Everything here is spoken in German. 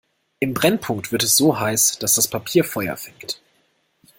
Im Brennpunkt wird es so heiß, dass das Papier Feuer fängt.